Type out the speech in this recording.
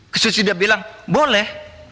kecuali sudah bilang boleh